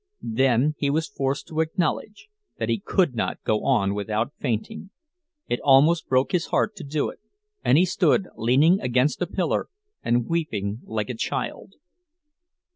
Then he was forced to acknowledge that he could not go on without fainting; it almost broke his heart to do it, and he stood leaning against a pillar and weeping like a child.